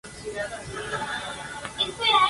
Bermeo y Ondárroa".